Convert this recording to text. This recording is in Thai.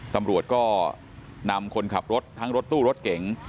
ตำรวจก็นำคนขับรถทั้งรถตู้รถเก๋ง